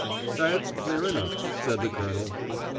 "That's clear enough," said the Colonel.